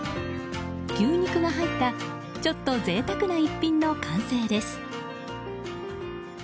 牛肉が入ったちょっと贅沢な一品の完成です。